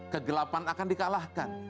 kegelapan akan dikalahkan